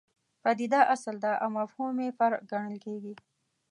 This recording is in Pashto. پدیده اصل ده او مفهوم یې فرع ګڼل کېږي.